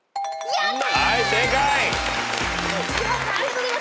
やった！